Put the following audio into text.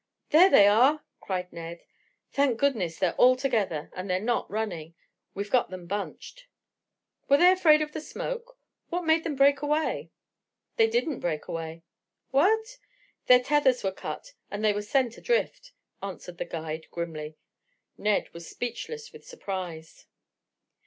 "There they are!" cried Ned "Thank goodness, they're all together. And they are not running. We've got them bunched." "Were they afraid of the smoke? What made them break away?" "They didn't break away." "What?" "Their tethers were cut and they were sent adrift," answered the guide grimly. Ned was speechless with surprise.